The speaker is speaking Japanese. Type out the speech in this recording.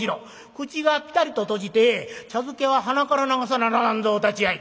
口がピタリと閉じて茶漬けは鼻から流さなならんぞお立ち会い。